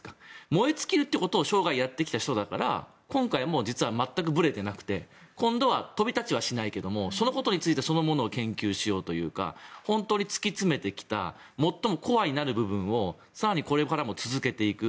燃え尽きるということを生涯やってきた人だから今回も実は全くぶれてなくて今度は飛び立ちはしないけどそのことについてそのものを研究しようというか本当に突き詰めてきた最もコアになる部分も更にこれからも続けていく。